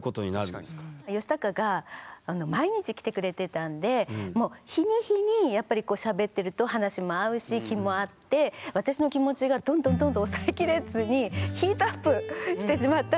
ヨシタカが毎日来てくれてたんでもう日に日にやっぱりこうしゃべってると話も合うし気も合って私の気持ちがどんどんどんどん抑えきれずにヒートアップしてしまったんですよ。